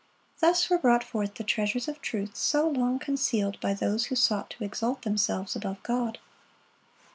Thus were brought forth the treasures of truth so long concealed by those who sought to exalt themselves above God.